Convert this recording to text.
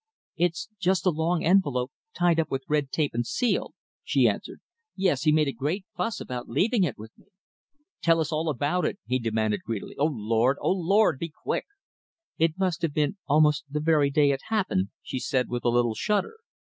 "It's just a long envelope tied up with red tape and sealed," she answered. "Yes! he made a great fuss about leaving it with me." "Tell us all about it," he demanded greedily. "Oh, Lord! Oh, Lord! Be quick!" "It must have been almost the very day it happened," she said, with a little shudder.